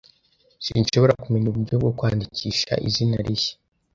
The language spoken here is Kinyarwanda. Sinshobora kumenya uburyo bwo kwandikisha izina rishya.